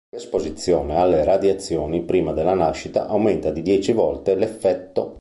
L'esposizione alle radiazioni prima della nascita aumenta di dieci volte l'effetto.